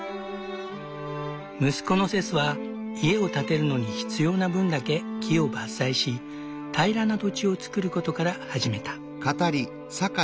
息子のセスは家を建てるのに必要な分だけ木を伐採し平らな土地をつくることから始めた。